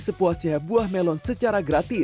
sepuasnya buah melon secara gratis